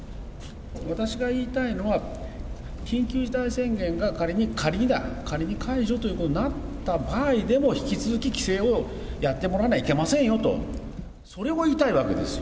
私が言いたいのは、緊急事態宣言が仮に、仮にだ、仮に解除ということになった場合でも、引き続き規制をやってもらわなきゃいけませんよと、それを言いたいわけですよ。